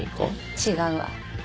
違うわ。